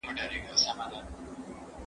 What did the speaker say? زه مخکي درسونه اورېدلي وو؟